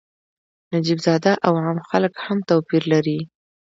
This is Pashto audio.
نجیب زاده او عام خلک هم توپیر لري.